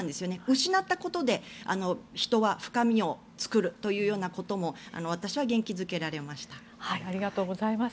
失ったことで人は深みを作るというようなこともありがとうございます。